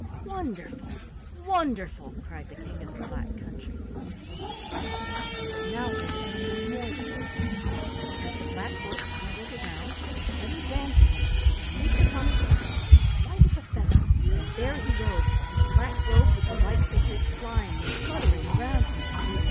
"Wonderful! wonderful!" cried the King of the Black Country. But now there was something more that was wonderful. As the black horse cantered round, Teddy ran to him and leaped upon his back, light as a feather, and there he rode, his black robe with the white figures flying and fluttering around him.